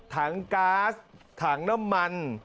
ก๊าซถังน้ำมัน